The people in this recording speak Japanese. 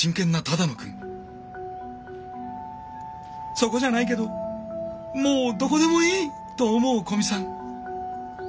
「そこじゃないけどもうどこでもいい！」と思う古見さん。